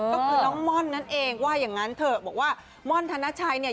ก็คือน้องม่อนนั่นเองว่าอย่างนั้นเถอะบอกว่าม่อนธนชัยเนี่ย